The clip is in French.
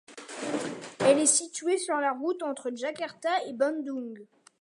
Elle est située sur la route entre Jakarta et Bandung.